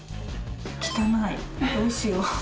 汚いどうしよう。